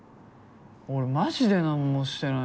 俺マジで何もしてないのに。